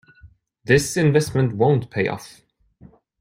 This investment won't pay off.